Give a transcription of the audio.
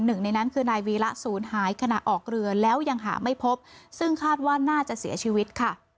หนึ่งในนั้นคือนายวีระศูนย์หายขณะออกเรือแล้วยังหาไม่พบซึ่งคาดว่าน่าจะเสียชีวิตค่ะ